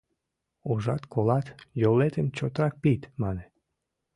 — Ужат-колат — йолетым чотрак пид, — мане.